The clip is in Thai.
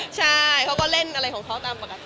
ใช่เขาก็เล่นอะไรของเขาตามปกติ